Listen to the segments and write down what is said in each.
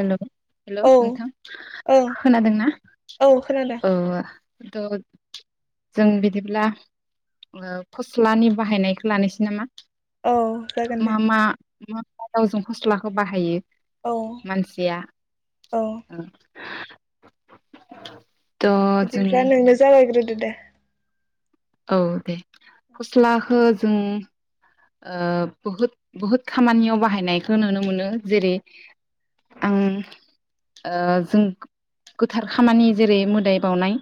हेल' hello औ नोंथां ओं खोनादोंना? औ खोनादों औ आ थ'जों बिदिब्ला फस्लानि बाहायनायखौ लानोसै नामा? औ जागोन मा दे मा मा मायाव जों फस्लाखौ बाहायो? औ मानसिया औ ओ थ' जों बिदिबा नोंनो जागायग्रोदो दे औ दे फस्लाखौ जों ओ बहुद बुहुद खामानियाव बाहायनायखौ नुनो मोनो जेरै आं ओ जों गोथार खामानि जेरै मोदाय बावनाय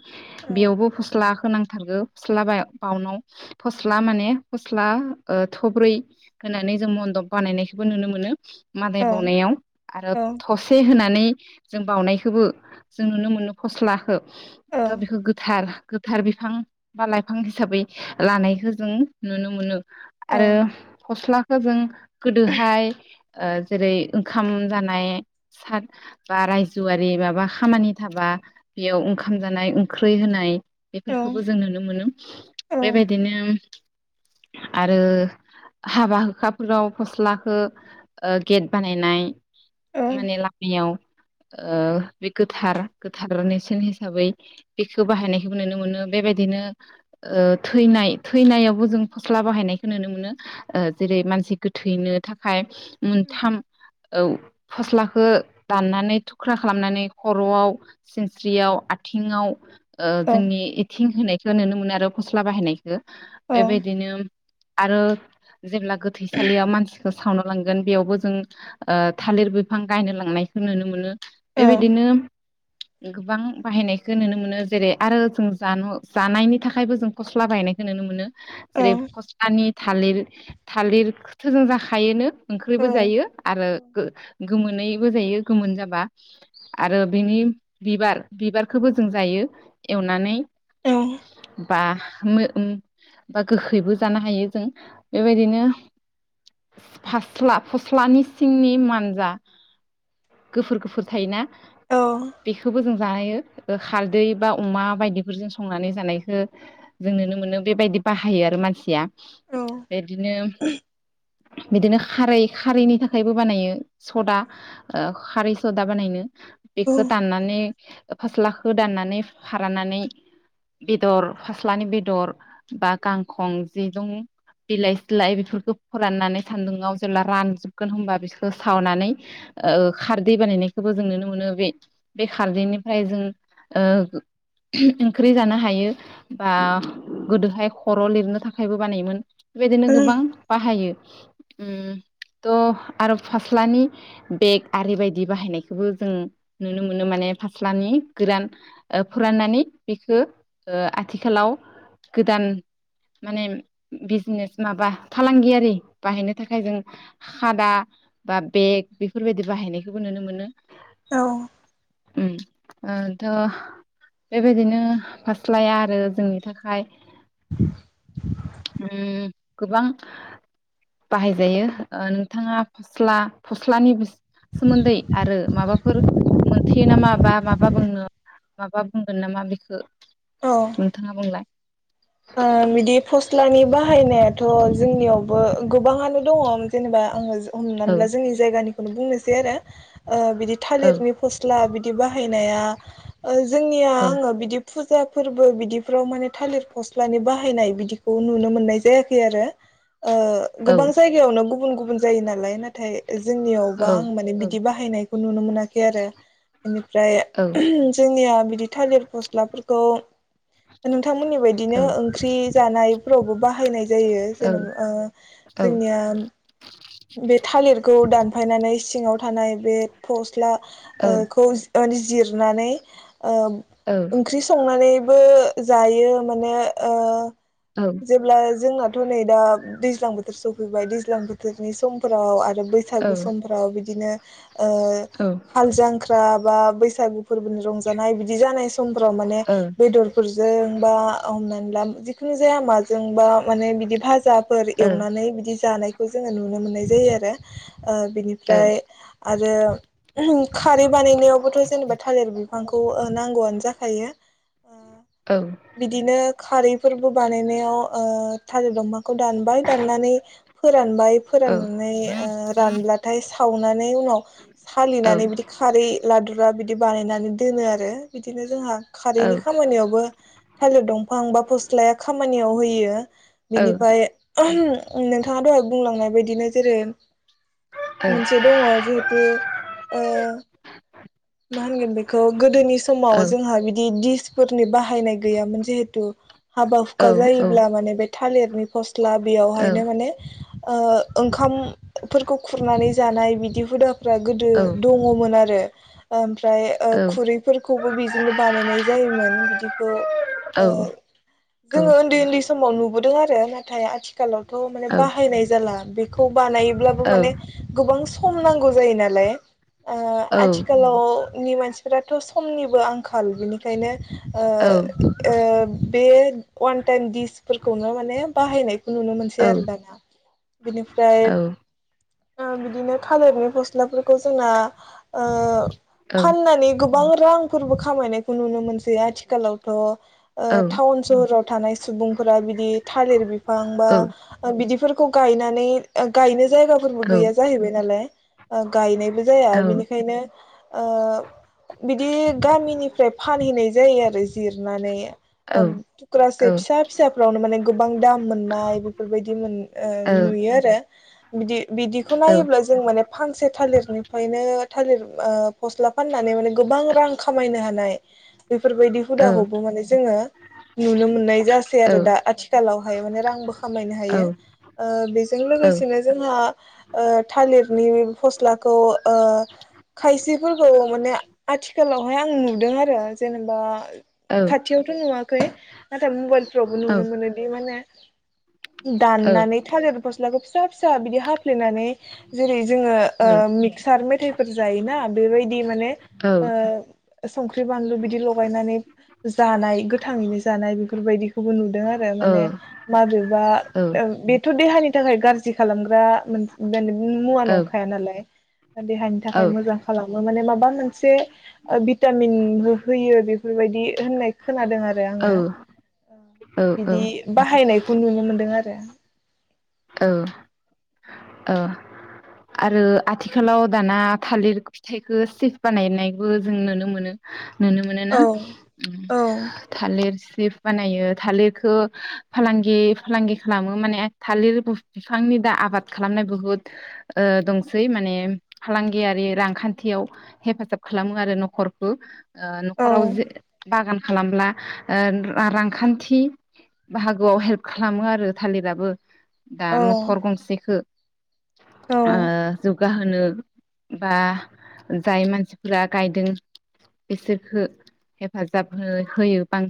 औ बेयावबो फस्ला खौ नांथारगौ फस्ला बाउनाव फस्ला माने फस्ला ओ थब्रै होनानै जों मन्दप बानायनायखौबो नुनो मोनो मादाय औ बावनायाव आरो औ थसे होना नै जों बावनायखौबो जों नुनो मोनो फस्लाखौ औ दा बेखौ गोथार गोथार बिफां बा लाइफां हिसाबै लानायखौ जों नुनो मोनो औ आरो फस्लाखौ जों गोदोहाय ओ जेरै ओंखाम जानाय सार बा रायजोआरि माबा खामानि थाबा बेयाव ओंखाम जानाय ओंख्रै होनाय औ बेफोरखौबो जों नुनो मोनो औ बेबायदिनो आरो हाबा हुखाफोराव फस्लाखौ ओ गेट बानायनाय औ माने लामायाव ओ बे गोथार गोथार नेरसोन हिसाबै बेखौ बाहायनायखौबो नुनो मोनो बेबायदिनो ओ थैनाय थैनायावबो जों फ स्ला बाहायनायखौ नुनो मोनो ओ जेरै मानसि गोथैनो थाखाय मोनथाम औ फस्लाखौ दाननानै थुख्रा खालामनानै खर'आव सिनस्रियाव आथिङाव ओ औ जोंनि एथिं होनाय नुनो मोनो आरो फस्ला बाहायनाय- खो औ बेबायदिनो आरो जेब्ला गोथैसालियाव मानसिखौ सावनो लांगोन बेयावबो जों ओ थालिर बिफां गायनो लांनायखौ नुनो मोनो औ बेबायदिनो गोबां बाहायनायखौ नुनो मोनो जेरै आरो जों जानो जानायनि थाखायबो जों फस्ला बाहायनायखौ नुनो मोनो जेरै नि थालिर थालिरखौथ'जों जाखायोनो ओंख्रिबो जायो आरो गो गोमोनै बो जायो गोमोन जाबा आरो बिनि बिबार बिबारखौबो जों जायो एवनानै एह बा [unintelligible] गोखैबो जानो हायो जों बेबायदिनो फास्ला फस्लानि सिंनि मानजा गोफुर गोफुर थायोना बेखौबो जों जायो खारदै बा अमा बाय दिफोरजों संनानै जानायखौ जों नुनो मोनो बेबायदि बाहायो आरो मानसि या बिदिनो बिदिनो खारै खारैनि थाखायबो बानायो सदा खारै सदा बानायनो बेखौ दाननानै फास्लाखौ दाननानै फारानानै बेदर फास्लानि बेदर बा गांखं जिदुं बिलाइ सिलाय बेफोरखौ फोराननानै सान्दुंङाव जेब्ला रानजोबगोन होमबा बिसोरखौ सावनानै खारदै बानायनायखौबो जों नुनो मोनो बे बे खारदैनिफ्राय जों ओंख्रि जानो हायो बा गोदोहाय खर' लिरनो थाखाय थाखाइबो बानायोमोन बेबायदिनो गोबां बाहायो उम थ' आरो फास्लानि बेग आरि बायदि बाहायनायखौबो जों नुनो मोनो माने फास्लानि गोदान फोराननानै बेखौ ओ आथिखालाव गोदान माने बिजनेस माबा फालांगियारि बाहायनो थाखाय जों खादा बा बेग बेफोरबायदि बाहायनायखौबो नुनो मोनो औ ओ थ' बेबायदिनो फास्लाया आरो जोंनि थाखाय [unintelligible] उम गोबां बाहायजायो नोंथाङा फस्ला फस्लानि सोमोन्दै आरो माबाफोर मोनथियो नामा बा माबा बुंनो माबा बुंगोन नामा बेखौ औ नोंथाङा बुंलाय ओ बिदि फस्लानि बाहायनायाथ' जोंनियावबो गोबाङानो दङ जेनेबा आङो जों औ हमनानै ला जोंनि जायगानिखौनो बुंनोसै आरो अ बिदि औ थालिरनि फस्ला बिदि बाहायनाया जोंनिया औ आङो बिदि फुजा फोरबो बिदिफ्राव माने थालिर फस्लानि बाहायनाय बिदिखौ नुनो मोननाय जायाखै खै आरो ओ औ गोबां जायगायावनो गुबुन गुबुन गुबुन जायो नालाय नाथाय जोंनियावबा औ आं माने औ बिदि बाहायनाय खौ नुनो मोनाखै आरो बेनिफ्राय औ उम जोंनिया बिदि थालिर फस्लाखौथ' नोंथांमोननि बिदिनो ओंख्रि जानाय फोरावबो बाहायनाय जायो औ जेन'बा ओ औ जोंनिया बे थालिरखौ दानफायनानै बै सिङाव थानाय बे फस्ला औ ओ खौ ओनि जि जिरनानै ओ औ ओंख्रि संनानैबो जायो। माने ओ औ जेब्लाय जोंनाथ' नै दा दैज्लां बो थोर सौफैबाय दैज्लां बोथोर नि समफोराव आरो ओ बैसागु समफोराव बिदिनो ओ ओ हाल जांख्रा बा बैसागु फोरबोनि रंजानाय बिदि जानाय समफोराव माने बेदरफोरजों बा हमनानै ला जि खुनुजाया मा जोंबा माने बिदि भाजाफोर ओ एवनानै बिदि जानायखौ नुनो मोननाय जायो आरो। ओ बिनिफ्राय आरो खारै बानायनायावबोथ' जेनेबा थालिर बिफांखौ ओ नांगौआनो जाखायो ओ बिदिनो खारैफोरबो बानायनायाव ओ थालिर दंफांखौ दानबाय दाननानै फो रान बाय फोरनानै ओ रानब्लाथाय सा सावना नै उनाव औ सालिनानै बिदि खारै लादुरा बि- बिदि बानायनानै दोनो आरो बिदिनो जोंहा खारैनि औ खामानियावबो थालिर दंफां बा फस्लाया खामानियाव होयो। औ औ बिनिफाय नोंथाङाथ' बुंलांनाय बायदिनो जेरै औ मोनसे दङ जिहेतु ओ मा होनगोन बेखौ गोदोनि समाव जोंहा बिदि दिस फोरनि बाहायनाय गैयामोन जिहेथु हाबा हुखा जायोब्ला माने बे- थालिरनि फस स्ला बेयावहायनो माने ओ ओंखामफोरखौ खुरनानै जानाय बिदि हुदाफ्रा गोदो दङमोन आरो। ओ ओमफ्राय खुरैफोरखौबो बेजोंनो बानायनाय जायोमोन बिदिखौ ओ जोङो उन्दै उन्दै समाव नुबोदों आरो थाया आथि खालावथ' माने बा नाय जाला बेखौ बानायोब्लाबो माने गुबुन सम नां गौ जायो नालाय ओ आथिखालाव नि मानसिफ्राथ' समनिबो आंखाल बिनिखायनो ओ औ औ ओ बे अन टाइम दिसफोरखौनो माने बाहायनाय बे नुनो मोनसै औ आरो दाना बिनिफ्राय बिदिनो थालिरनि फसला फोरखौ जोंना फाननानि गु गोबां रांफोरबो खामायनायखौ नुनो मोनसै आथिखालावथ' ओ टाउन सहराव थानाय सुबुंफोरा बिदि थालिर बिफां बा बिदि खौ गायनानै गायनो जायगाफोरबो गैया जाहैबाय नालाय गायनायबो जाया बिनिखायनो ओ बिदि गामिनिफ्राय फानहैनाय जायो आरो जिरनानै थुक्रासे फिसा फिसाफ्रावनो माने गोबां दाम मोननाय बेफोरबायदि मोन नुयो आरो बि बिदिखौ नायोब्ला जों माने फांसे थालिरनिफ्रायनो थालिर फस्ला फाननानै माने गोबां रां खामायनो हानाय [inaudible] बेफोरबायदि हुदाखौबो माने जोङो नुनो मोननाय जासै आरो दा आथिखालाव हायो माने रांबो खामायनो हायो। ओ बेजों लोगोसेनो जोंहा आ ओ थालिरनि फस्लाखौ ओ खायसेफोरखौ माने आथिखालावहाय आं नुदों आरो जेनेबा खाथियावथ' नुवाखै नाथाय मबाइलफ्रावबो नुनो मोनोदि माने दाननानै मस्लाखौ फिसा फिसा बिदि हाफ्लेनानै नै जेरै जोङो ओ मिक्सार मेथायफोर जायोना बेबायदि माने ओ संख्रि बानलु बिदि लनानै जानाय गोथाङैनो जानाय बेफोरबायदि खौ नुदों आरो माने माबेबा ओ बे बेथ देहानि थाखाय गाज्रि खालामग्रा बे मुवा नंखाया नालाय देहानि थाखाय मोजां खालामो माने माबा मोनसे ओ भिटामिन होयो बेफोरबायदि होननाय खोनादों आरो औ आङो औ बिदि बाहायनायखौ नुनो मोनदों आरो औ औ आरो आथिखालाव दाना थालिर फिथाइखौ सिफ बानायनायबो जों नुनो मोनो नुनो मोनो ना औ औ थालिर जि बानायो थालिरखौ फालांगि फालांगि खालामो माने थालिर बिफांनि दा आबाद खालामनाय बुहुद ओ दंसै माने फालांगियारि रांखान्थियाव हेफाजाब खालामो आरो नखरखौ ओ नखराव जे बागान खालामब्ला ओ रांखान्थि बाहागोआव हेल्प खालामो आरो थालिराबो दा औ नखर गंसेखौ औ आ जोख गाहोनो बा जाय मानसिफोरा गायदों बिसोरखो हेफाजाब हो होयो बां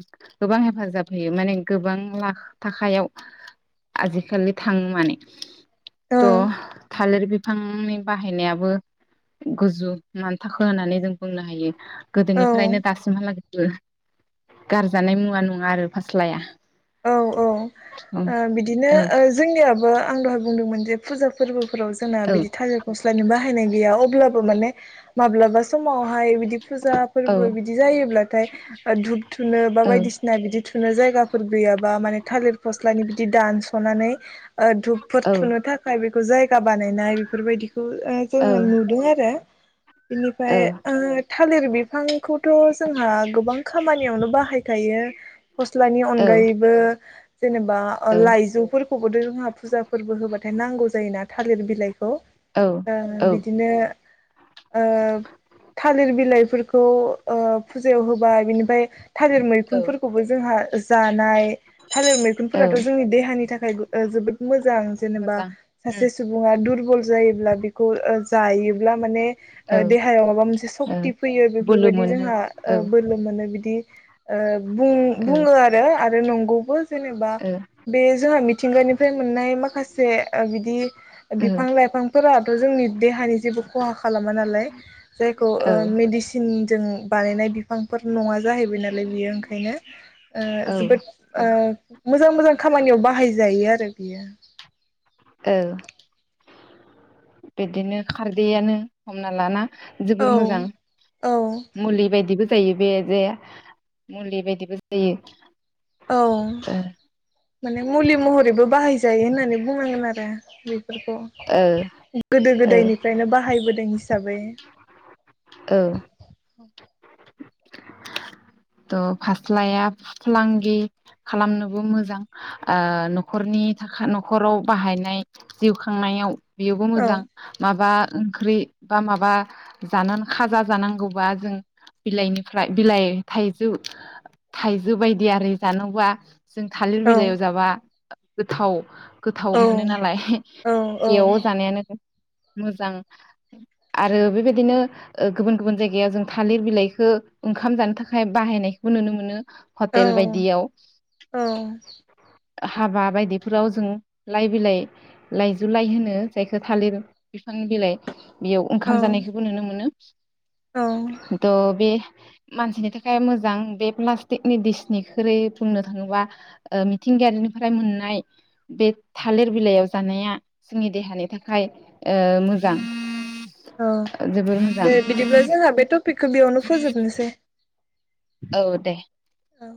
गोबां हेफाजाब होयो माने गोबां ला थाखायायाव आजिखालि थाङो माने त थालिर बिफांनि बाहायनायाबो गजो मान थाखो होननानै जों बुंनो हायो औ गोदोनिफ्रायनो दासिमहालागैबो गारजानाय मुवा नङा आरो फास्लाया औ औ ओ औ बिदिनो औ ओ जोंनियाबो आं दहाय बुंदोंमोन जे फुजा फोरबो फोराव जोंना औ बिदि थालिर बस बाहायनाय गैया अब्लाबो माने माब्लाबा समावहाय बिदि फुजा औ फोरबो बिदि जायोब्लाथाय धुप थुनो बा औ बायदिसिना बिदि थुनो जायगा फोर गैयाबा माने थालिर फस्लानि बिदि दानसनानै ओ धुपफोर औ थुनो थाखाय बेखौ जायगा बानायनाय बेफोरबायदिखौ ओ औ जोङो नुदों आरो बेनिफ्राय आ थालिर बिफांखौ खौ जोंहा गोबां खामानियावनो बाहायखायो गस्ला औ अनगायैबो जेनेबा ओ लाइजौफोरखौबोथ जोंहा फुजा फोरबो होबाथाय नांगौ जायो ना थालिर बिलाइ खौ ओ औ बिदिनो ओ थालिर बिलाइ फोरखौ ओ फुजायाव होबाय बिनिफ्राय थालिर मैखुनफोरखौबो जोंहा जानाय थालिर औ मैगुनफोराथ' जोंनि देहानि थाखाय जोबोद मोजां जेनेबा मोजां उम सासे सुबुङा दुरबल जायोब्ला बेखौ जायोब्ला माने औ देहायाव माबा मोनसे ओ सक्ति फैयो बोलो बेफोरबायदि मोनो जोंहा औ बोलो मोनो। बिदि ओ औ बुं-बुङो आरो आरो नंगौबो जेनेबा ओ बे जोंहा मिथिंगानिफ्राय मोननाय माखासे बिदि ओ बिफां लाइफांफोराथ' जोंनि देहानि जेबो खहा खालामा नालाय। जायखौ औ मेडिसिन जों बानायनाय बिफांफोर नङा जाहैबाय नालाय बियो ओंखायनो ओ औ जोबोद औ मोजां मोजां खामानियाव बाहायजायो आरो बियो। औ बिदिनो खारदैयानो हमना ला ना जोबोर औ मोजां औ मुलि बायदिबो जायो बे जे मुलि बायदिबो जायो औ ओ माने मुलि महरैबो बाहायजायो होननानै बुनांगोन आरो ओ बय खौ ओ ओ गोदो गोदायनिफ्रायनो बाहायबोदों इस जाबै औ थ' फास्लाया फालांगि खालामनोबो मोजां न'खरनि थाखाय न'खराव बाहायनाय जिउ खांनायाव बेयावबो औ मोजां माबा ओंख्रि बा माबा जानानै खाजा जानांगौबा जों बिलाइनिफ्राय बिलाइ थाइजौ थाइजौ बायदि आरो जानोबा जों थालिर औ बिलाइयाव जाबा गोथाव गोथाव औ मोनो नालाय औ बेयाव जानायानो मोजां आरो बेबायदिनो गुबुन गुबुन जायगायाव जों थालिर बिलाइखौ ओंखाम जानो थाखाय बाहायनायखौबो नुनो मोनो। हटेल औ बायदियाव औ हाबा बायदिफोराव जों लाइ बिलाइ लाइजु लाइ होनो जायखौ थालिर बिफां बिलाइ बेयाव औ ओंखाम जानायखौबो नुनो मोनो। औ [inaudible] दा बे मानसिनि थाखाय मोजां बे प्लास्टिकनि डिसनिख्रुइ बुंनो थाङोबा मिथिंगायारिनिफ्राय मोननाय बे थालिर बिलाइयाव जानाया जोंनि देहानि थाखाय मोजां। ओं जोबोर मोजां दे बिदिब्ला जोंहा बे टपिकखौ बेयावनो फोजोबनोसै औ दे औ